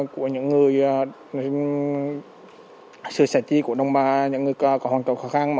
của những người sự sạch chí của đông ba những người có hoàn toàn khó khăn